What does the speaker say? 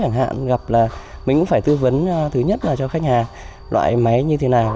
chẳng hạn gặp là mình cũng phải tư vấn thứ nhất là cho khách hàng loại máy như thế nào